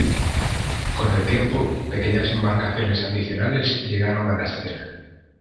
Con el tiempo, pequeñas embarcaciones adicionales llegaron a la escena.